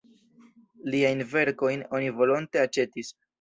Liajn verkojn oni volonte aĉetis.